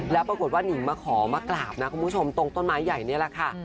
แล้วปรากฏว่านิงมาขอมากราบนะคุณผู้ชมตรงต้นไม้ใหญ่นี่แหละค่ะ